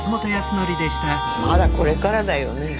まだこれからだよねえ。